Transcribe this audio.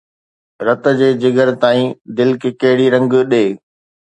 رت جي جگر تائين دل کي ڪهڙي رنگ ڏي؟